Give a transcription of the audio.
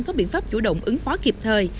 có biện pháp chủ động ứng phó kịp thời